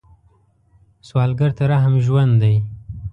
سوالګر ته رحم ژوند دی